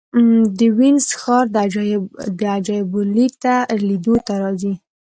د وینز ښار د عجایبو لیدو ته راځي.